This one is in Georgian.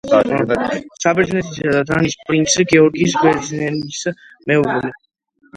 საბერძნეთისა და დანიის პრინც გეორგიოს ბერძენის მეუღლე.